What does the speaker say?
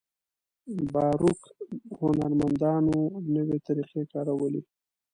باروک هنرمندانو نوې طریقې کارولې.